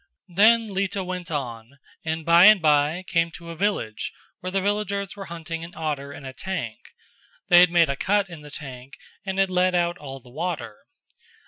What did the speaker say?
Then Lita went on, and by and bye came to a village where the villagers were hunting an otter in a tank; they had made a cut in the bank and had let out all the water.